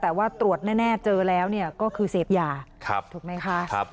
แต่ว่าตรวจแน่เจอแล้วเนี่ยก็คือเสพยาถูกไหมคะ